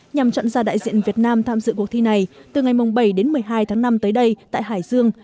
nhằm chọn ra đại diện việt nam tham dự cuộc thi này từ ngày bảy đến một mươi hai tháng năm tới đây tại hải dương